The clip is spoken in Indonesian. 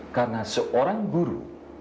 karena seorang guru